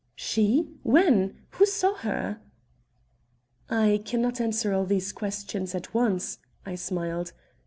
"She? When? Who saw her?" "I can not answer all these questions at once," I smiled.